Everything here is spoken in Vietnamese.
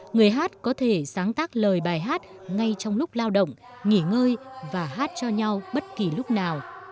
người hát có thể sáng tác lời bài hát ngay trong lúc lao động nghỉ ngơi và hát cho nhau bất kỳ lúc nào